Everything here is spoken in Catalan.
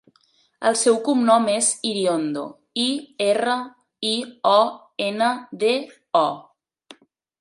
El seu cognom és Iriondo: i, erra, i, o, ena, de, o.